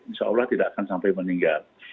insya allah tidak akan sampai meninggal